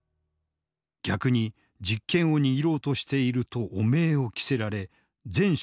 逆に実権を握ろうとしていると汚名を着せられ全職務を解任。